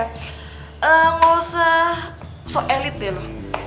gak usah sok elit deh lo